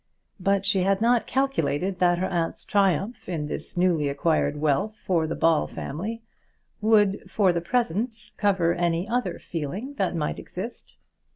But she had not calculated that her aunt's triumph in this newly acquired wealth for the Ball family would, for the present, cover any other feeling that might exist.